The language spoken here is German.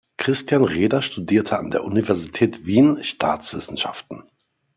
Christian Reder studierte an der Universität Wien Staatswissenschaften.